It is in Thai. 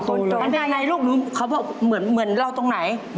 ชั้นจัดการลูกนู้นเขาบอกว่าเหมือนเราตรงไหน